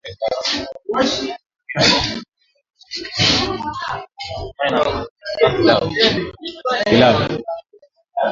raisi wa zamani wa Nigeria Goodluck Johnathan alitembelea Mali wiki iliyopita